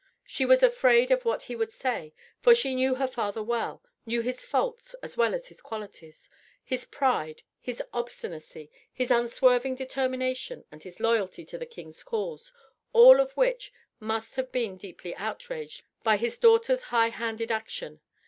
She was afraid of what he would say, for she knew her father well: knew his faults as well as his qualities, his pride, his obstinacy, his unswerving determination and his loyalty to the King's cause all of which must have been deeply outraged by his daughter's high handed action.